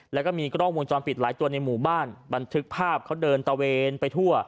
แล้วก็มีกล้องวงจรปิดหลายตัวในหมู่บ้านบันทึกภาพเขาเดินตะเวนไปทั่ว